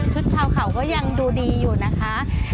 ชุดเช้าเข่าก็ยังดูดีอยู่นะคะ